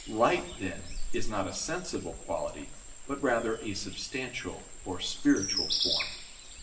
Light, then, is not a sensible quality, but rather a substantial or spiritual form.